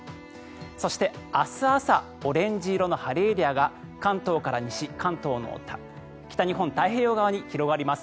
そして明日朝オレンジ色の晴れエリアが関東から西北日本太平洋側に広がります。